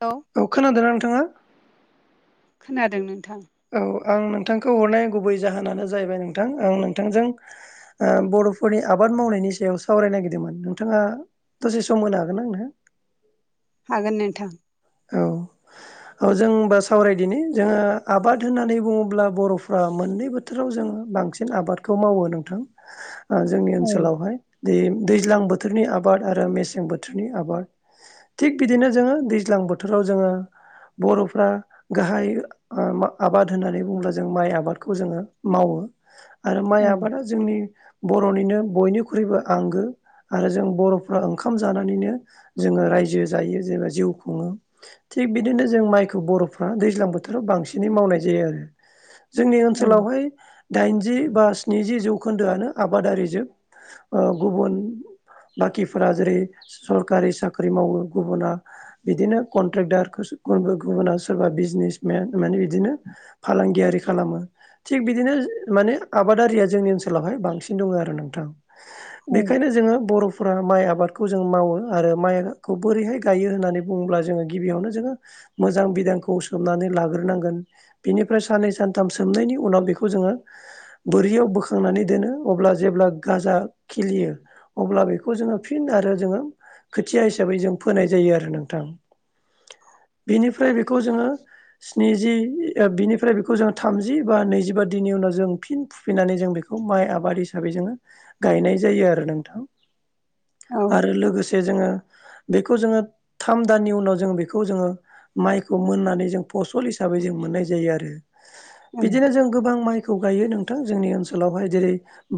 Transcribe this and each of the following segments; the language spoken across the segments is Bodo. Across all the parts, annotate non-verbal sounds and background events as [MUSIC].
औ औ खोनादोंना नोंथाङा? खोनादों नोंथां। औ आं नोंथांखौ हरनाय गुबै जाहोनानो जाहैबाय नोंथां आं नोंथांजों ओ बर'फोरनि आबाद मावनायनि सायाव सावरायनो नागिरदोंमोन नोंथाङा दसे सम होनो हागोनना नोंथाङा? हागोन नोंथां। औ। औ जों होनबा सावरायदिनि जोङो आबाद होननानै बुङोब्ला बर'फ्रा मोननैबो थोराव जों बांसिन आबादखौ मावो नोंथां जोंनि औ ओनसोलावहाय। दै-दैज्लां बोथोरनि आबाद आरो मेसें बोथोरनि आबाद थिग बिदिनो जोङो दैज्लां बोथोराव जोङो बर'फ्रा गाहाय आबाद होननानै बुङोब्ला जों माइ आबादखौ जोङो मावो। आरो माइ आबादा जोंनि बर'निनो बयनिख्रुइबो आंगो। आरो जों बर'फ्रा ओंखाम जानानैनो जोङो राय्जो जायो जेनबा जिउ खुङो। थिग बिदिनो जों माइखौ बर'फ्रा दैज्लां बोथोराव बांसिनै मावनाय जायो आरो। जोंनि ओनसोलाव हाय दाइनजि बा स्निजि जौखोन्दोआनो आबादारि जोब। ओ गुबुन बाखिफोरा जेरै सरखारि साख्रि मावो गुबुना बिदिनो कन्ट्रेक्टारखोसो गुबुना सोरबा बिजनेसमेन माने बिदिनो फालांगियारि खालामो। थिग बिदिनो माने आबादारिया जोंनि ओनसोलाव हाय बांसिन दङ आरो नोंथां। औ बेखायनो जोङो बर'फो फोरा माइ आबादखौ जों मावो आरो माइखौ बोरैहाय गायो होननानै बुङोब्ला जोङो गिबियावनो जोङो मोजां बिदांखौ सोमनानै लाग्रोनांगोन। बेनिफ्राय साननै सानथाम सोमनायनि उनाव बेखौ जोङो बोरियाव बोखांनानै दोनो अब्ला जेब्ला गाजा खिलियो अब्ला बेखौ जोङो फिन आरो जोङो खोथिया हिसाबै जों फोनाय जायो आरो नोंथां। बिनिफ्राय बेखौ जोङो स्निजि ओ बिनिफ्राय बेखौ जों थामजि बा नैजिबा दिननि उनाव जों फिन फुफिनानै जों बेखौ बेखौ माइ आबाद हिसाबै जोङो गायनाय जायो आरो नोंथां। औ आरो लोगोसे जोङो बेखौ जोङो थाम दाननि उनाव जों बेखौ जोङो माइखौ मोननानै जों फसल हिसाबै जों मोननाय जायो आरो। बिदिनो औ जों गोबां माइ खौ गायो नोंथां जोंनि ओनसोलाव हाय जेरै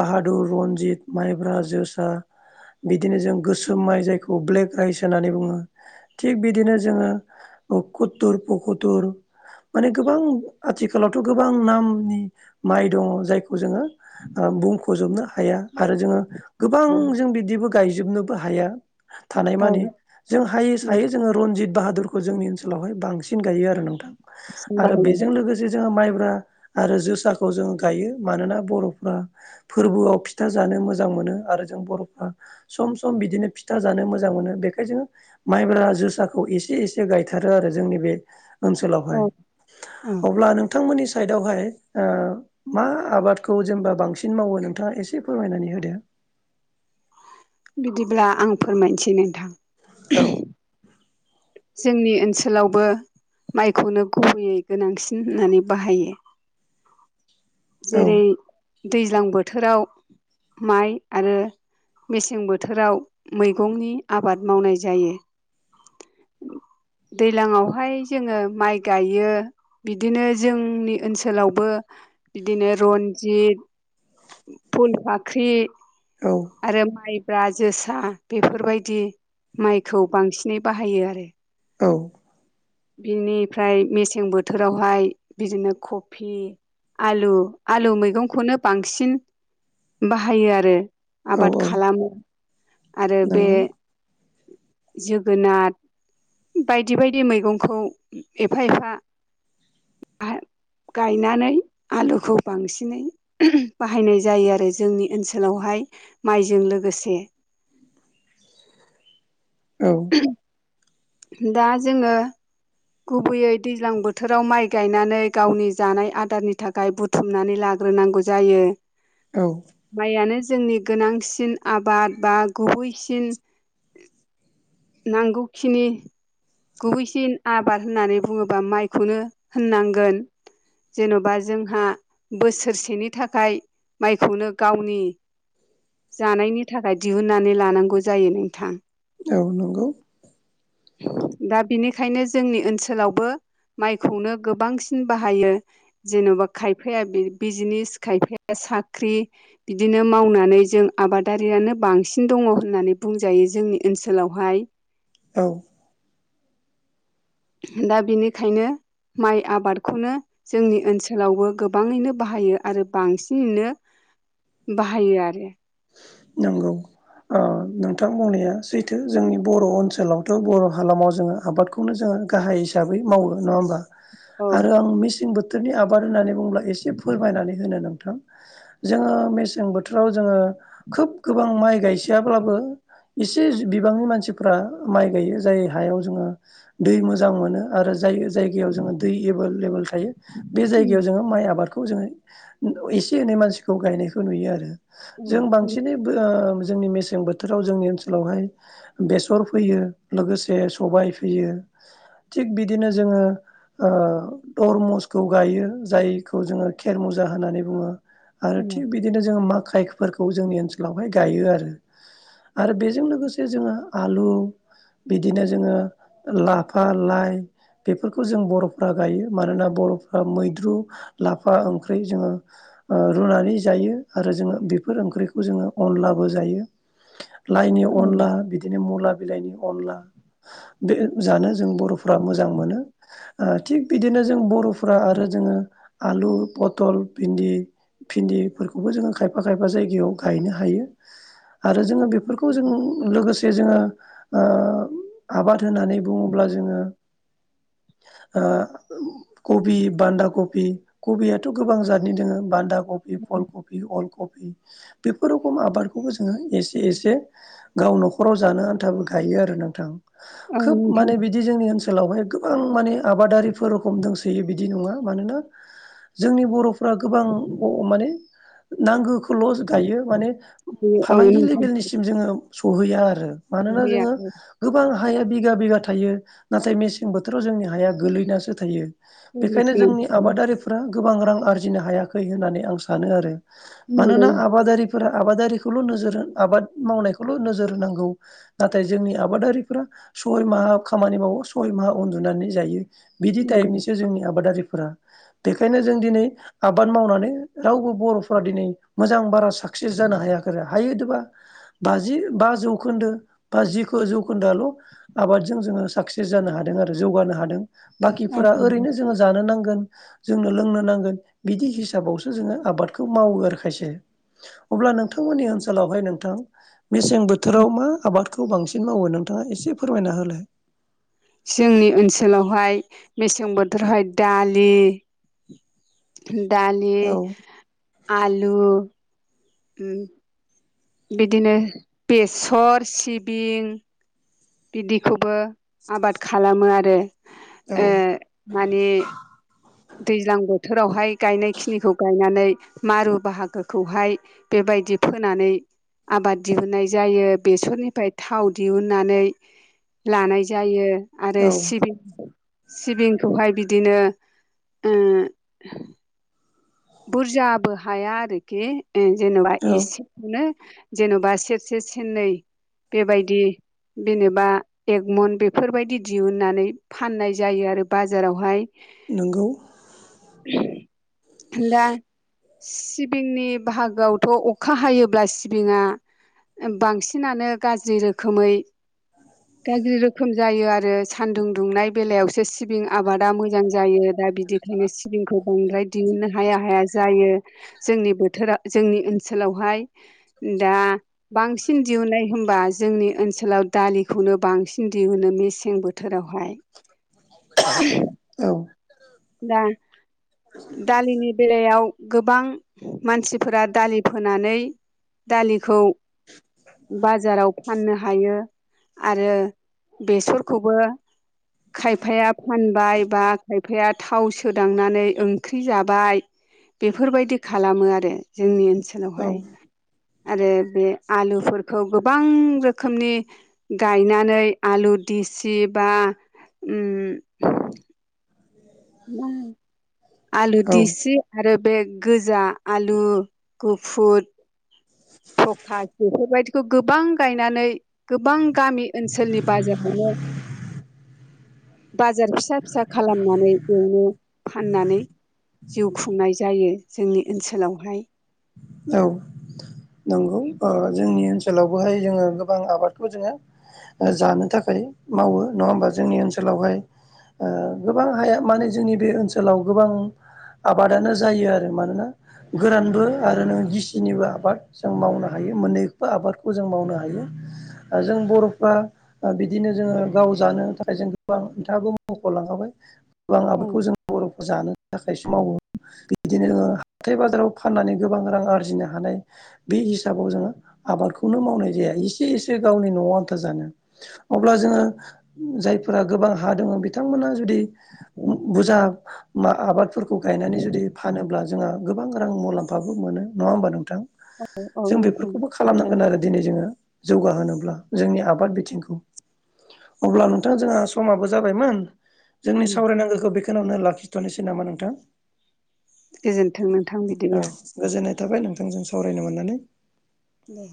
बाहादुर रनजित माइब्रा जोसा बिदिनो जों गोसोम माइ जायखौ ब्लेक राइस होननानै बुङो। थिग बिदिनो जोङो कुथुर पकुथुर माने गोबां आथिखालावथ' गोबां नामनि माइ दङ जायखौ जोङो। ओ बुंख'जोबनो हाया आरो जोङो गोबां जों बिदिबो गायजोबनोबो हाया थानाय औ मानि जों हायोस दायो जोङो रनजित बाहादुरखौ जोंनि सोलाव हाय बांसिन गायो आरो नोंथां आरो बाहायो बेजों लोगोसे जे जोङो माइब्रा आरो जोसाखौ जोंङो गायो मानोना बर'फ्रा फोरबोआव फिथा जानो मोजां मोनो आरो जों बर'फ्रा सम सम बिदिनो फिथा जानो मोजां मोनो बेखाय जोङो माइब्रा जोसाखौ एसे एसे गायथारो आरो जोंनि बे ओनसोलाव हाय औ औ अब्ला नोंथांमोननि साइदाव हाय ओ मा आबादखौ जेनेबा बांसिन मावो नोंथाङा एसे फोरमायनानै होदो। बिदिब्ला आं फोरमायनोसै नोंथां। औ जोंनि ओनसोलावबो माइखौनो गुबहैयै गोनांसिन होननानै बाहायो। औ जेरै दैज्लां बोथोराव माइ आरो मेसें बोथोराव मैगंनि आबाद मावनाय जायो। दैलाङाव हाय जोङो माइ गायो। बिदिनो जोंनि ओनसोलावबो बिदिनो रनजित फुल बाख्रि औ आरो माइब्रा जोसा बेफोरबायदि माइखौ बांसिनै बाहायो आरो। औ बिनिफ्राय मेसें बोथोरावहाय बिदिनो कफि आलु आलु मैगंखौनो बांसिन बाहायो आरो औ आबाद औ खालामो आरो बे नंगौ जोगोनार बायदि बायदि मैगंखौ एफा एफा [INAUDIBLE] गायनानै आलुखौ बांसिनै बाहायनाय जायो आरो जोंनि ओनसोलावहाय माइजों लोगोसे। औ [INAUDIBLE] दा जोङो गुबैयै दैज्लां बोथोराव माइ गायनानै गावनि जानाय आदारनि थाखाय बु बुथुमनानै लाग्रोनांगौ जायो। औ माइयानो जोंनि गोनांसिन आबाद बा गुबैसिन नांगौखिनि गुबैसिन आबाद होननानै बुङोब्ला माइखौनो होननांगोन। जेन'बा जोंहा बोसोरसेनि थाखाय माइखौनो गावनि जानायनि थाखाय दिहुननानै लानांगौ जायो नोंथां। औ नंगौ। दा बिनिखायनो जोंनि ओनसोलावबो माइखौनो गोबांसिन बाहायो जेन'बा खायफाया बिजनेस खायफाया साख्रि बिदिनो मावनानै जों आबादारियानो बांसिन दङ होननानै बुंजायो जोंनि ओनसोलाव। हाय औ दा बेनिखायनो माइ आबादखौनो जोंनि ओनसोलावबो गोबाङैनो बाहायो आरो बांसिनैनो बाहायो आरो। नोंगौ। ओ नोंथां बुंनाया सैथो जोंनि बर' ओनसोलावथ' बर' हालामाव जोङो आबादखौ खौनो जोङो गाहाय हिसाबै मावो नङा होमबा। औ आरो आं मेसें बोथोरनि आबाद होननानै बुङोब्ला एसे फोरमायनानै होनो नोंथां। जोङो मेसें बोथोराव जोङो खोब गोबां माइ गायसेयाब्लाबो इसे बिबांनि मानसिफ्रा माइ गायो जाय हायाव जोङो दै मोजां मोनो आरो जाय जाय जो दैेबोेल थायो बे जायगायाव जोङो माइ आबादखौ जै एसे एनै मानसिखौ गायनायखौ नुयो आरो जों बांसिनै जोंनि मेसें बोथोराव जोंनि ओनसोलावहाय बेसर फैयो लोगोसे सबाय फैयो थिग बिदिनो जोङो तरमुसखौ गायो जायखौ जोङो खेर मुजा होननानै बुङो। आरो थिग बिदिनो जोङो माखाइफोरखौ जोंनि ओनसोलावहाय गायो आरो आरो बेजों लोगोसे जोङो आलु बिदिनो जोङो लाफा लाइ बेफोरखौ जों बर'फ्रा गायो मानोना बर'फ्रा मैद्रु लाफा ओंख्रि जोङो ओ रुनानै जायो आरो जोङो बेफोर ओंख्रिखौ जोङो अनलाबो जायो। लाइनि अनला बिदिनो मुला बिलाइनि अनला। बे जानो जों बर'फ्रा मोजां मोनो। ओ थिग बिदिनो जों बर'फ्रा आरो जोङो आलु पटल भिन्दि भिन्दिफोरखौबो जोङो खायफा खायफा जायगायाव गायनो हायो आरो जोङो बेफोरखौ जों लोगोसे जोङो ओ आबाद होननानै बुङोब्ला जोङो ओ कबि बान्दा कबि कबियाथ' गोबां जतनि दोङो बान्दा कफि फुल कबि अल कफि बेफोर रोखम आबादखौबो जोङो एसे एसे गाव न'खराव जानो आन्थाबो गायो आरो नोंथां औ खोब नोंथां माने बि बिदि जोंनि ओनसोलावहाय गोबां माने आबादारिफोर रखम दंसोयो बिदि नङा मानोना जोंनि बर'फ्रा गोबां माने नांगौखौल' गायो माने औ फालांगि नोंथां लेभेलनिसिम जोङो सहैया आरो मानोना जोङो गोबां हाया बिगा बिगा थायो नाथाय मेसें बोथोराव जोंनि हाया गोलैनासो थायो। नंगौ बेखायनो जोंनि आबादारि फोरा गोबां रां आरजिनो हायाखै होननानै आं सानो आरो मानोना नंगौ आबादारि फोरा आबादारिखौल' नोजोर आबाद मावनायखौल' नोजोर होनांगौ। नाथाय जोंनि आबादारिफोरा सय माहा खामानि मावो सय माहा उन्दुनानै जायो। बिदि टाइपनिसो जोंनि आबादारिफोरा। बेखायनो जों दिनै आबाद मावनानै रावबो बर'फोरा दिनै मोजां बारा साक्सेस जानो हायाखै हायोदबा बाजि बा जौखोन्दो बा जि जौखोन्दोआल' आबादजों जोङो साक्सेस जानो हादों आरो जौगानो हादों औ बाखिफोरा नंगौ ओरैनो जोङो जानो नांगोन जोंनो लोंनो नांगोन बिदि हिसाबावसो जोङो आबादखौ मावो आरो खायसे अब्ला नोंथांमोननि ओनसोलावहाय नोंथां मेसें बोथोराव मा आबाद खौ बांसिन मावो नोंथाङा एसे फोरमायना होलाय। जोंनि ओनसोलावहाय मेसें बोथोरावहाय दालि। दालि औ आलु बिदिनो बेसर सिबिं बिदिखौबो आबाद खालामो आरो औ ओ मानि दैज्लां बोथोरावहाय गायनायखिनिखौ गायनानै मारु बाहागोखौहाय बेबायदि फोनानै आबाद दिहुननाय जायो बेसरनिफ्राय थाव दिहुननानै लानाय जायो आरो औ सिबिं सिबिंखौहाय बिदिनो ओम बुरजाबो हाया आरोखि ओ जेनेबा औ इसे नो जेन'बा सेरसे सननै बेबायदि जेनेबा एगमन बेफोरबायदि दिहुननानै फाननाय जायो आरो बाजारावहाय। नोंगौ। दा सिबिंनि बाहागोआवथ' अखा हायोब्ला सिबिङा बांसिनानो गाज्रि रोखोमै गाज्रि रोखोम जायो आरो सान्दुं दुंनाय बेलायावसो सिबिं आबादा मोजां जायो दा बिदिखायनो सिबिंखौ बांद्राय नो हाया हाया जायो जोंनि बोथोरा जोंनि ओनसोलावहाय। दा बांसिन दिहुनाय होमबा जोंनि ओनसोलाव दालिखौनो बांसिन दिहुनो मेसें बोथोरावहाय। [UNINTELLIGIBLE] औ दा- दालिनि बेलायाव गोबां मानसिफोरा दालि फोनानै दालिखौ बाजाराव फाननो हायो। आरो बेसरखौबो खायफाया फानबाय बा खायफाया थाव सोदांनानै ओंख्रि जाबाय बेफोरबायदि खालामो आरो जोंनि ओनसो औ लावहाय आरो बे आलुफोरखौ गोबां रोखोमनि गायनानै आलु देसि बा उम आलु औ दिसि आरो बे गोजा आलु, गुफुर फखा बेफोर बायदि गोबां गायनानै गोबां गामि ओनसोलनि बाजारावनो बाजार फिसा फिसा खालामनानै बेयावनो फाननानै जिउ खुंनाय जायो जोंनि ओनसोलावहाय। औ नंगौ जोंनि ओनसोलावबोहाय जोङो गोबां आबादखौ जोङो जानो थाखाय मावो नङा होमबा जोंनि ओनसोलावहाय ओ गोबां हाया माने जोंनि बे ओनसोलाव गोबां आबादानो जायो आरो मानोना गोरानबो आरो नों गिसिनिबो आबाद जों मावनो हायो मोन्नैबो आबादखौ जों मावनो हायो। ओ जों बर'फ्रा ओ बिदिनो जोङो गाव जानो थाखाय जों गोबां नोंथाङाबो मख'लांखाबाय गोबां औ आबादखौ जों बर'खौ जानो थाखायसो मावो बिदिनो जोङो हाथाय बाजाराव फाननानै गोबां रां आरजिनो हानाय बे हिसाबाव जोङो आबादखौनो मावनाय जाया एसे एसे गावनि न'आव आन्था जानो अब्ला जोङो जायफोरा गोबां हा दङ बिथांमोना जुदि बुरजा मा आबादफोरखौ गायनानै जुदि फानोब्ला जोंहा गोबां रां मुलाम ओबो- मोनो नङा होमबा नोंथां? औ जों नोंथां बेफोरखौबो खालामनांगोन आरो दिनै जोङो जौगाहोनोब्ला जोंनि आबाद बिथिंखौ अब्ला नोंथां जोंहा समाबो जाबायमोन। जोंनि सावरायनांगौखौ बेखौावनो लाखिथ'नोसै नामा नोंथां? गोजोनथों नोंथां बिदिब्ला। गोजोन्नाय थाबाय नोंथांजों सावरायनो मोननानै। दे